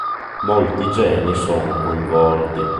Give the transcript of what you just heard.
Molti geni sono coinvolti.